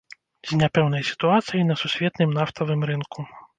З няпэўнай сітуацыяй на сусветным нафтавым рынку.